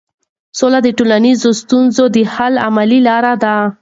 سوله د ټولنیزو ستونزو د حل عملي لار ده.